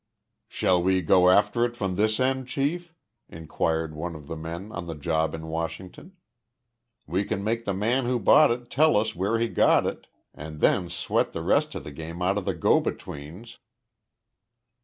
"Shall we go after it from this end, Chief?" inquired one of the men on the job in Washington. "We can make the man who bought it tell us where he got it and then sweat the rest of the game out of the go betweens."